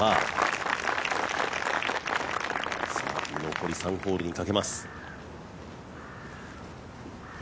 残り３ホールにかけます。